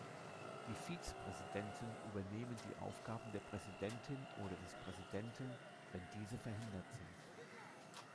Die Vizepräsidenten übernehmen die Aufgaben der Präsidentin oder des Präsidenten, wenn diese verhindert sind.